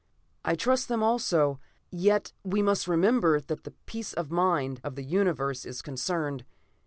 "I trust them also yet we must remember that the peace of mind of the Universe is concerned.